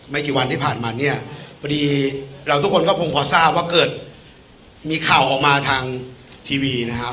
ไม่กี่วันที่ผ่านมาเนี่ยพอดีเราทุกคนก็คงพอทราบว่าเกิดมีข่าวออกมาทางทีวีนะครับ